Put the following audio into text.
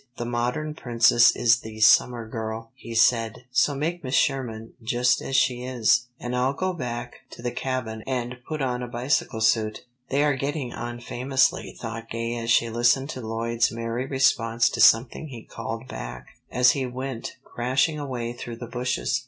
"The modern Princess is the Summer Girl," he said. "So take Miss Sherman just as she is, and I'll go back to the Cabin and put on a bicycle suit." [Illustration: "MAKING A CUP OF HER WHITE HANDS."] "They are getting on famously," thought Gay as she listened to Lloyd's merry response to something he called back, as he went crashing away through the bushes.